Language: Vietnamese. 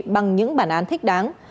bằng những bản án thích đáng